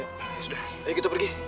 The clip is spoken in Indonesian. ayo sudah ayo kita pergi